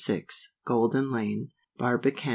6, Golden Lane, Barbican.